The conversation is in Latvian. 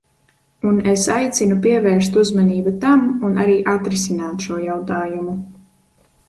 Un es aicinu pievērst uzmanību tam un arī atrisināt šo jautājumu.